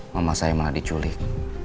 mama saya malah diculik